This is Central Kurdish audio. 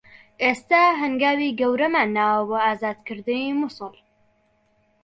ئێستا هەنگاوی گەورەمان ناوە بۆ ئازادکردنی موسڵ